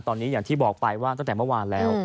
ตอนนี้อย่างที่บอกไปว่าตั้งแต่เมื่อวานแล้ว